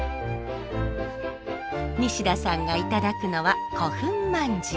西田さんがいただくのは古墳まんじゅう。